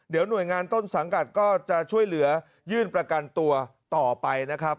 เดี๋ยวหน่วยงานต้นสังกัดก็จะช่วยเหลือยื่นประกันตัวต่อไปนะครับ